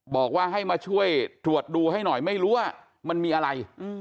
บอกว่าให้มาช่วยตรวจดูให้หน่อยไม่รู้ว่ามันมีอะไร